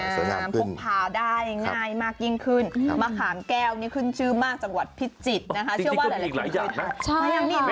สวยงามพกผ่าได้ง่ายมากยิ่งขึ้นมะขามแก้วเนี่ยขึ้นชื่อมากจากวัดพิจิตรนะคะ